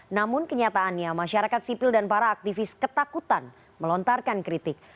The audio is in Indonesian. namun kenyataannya masyarakat sipil dan para aktivis ketakutan melontarkan kritik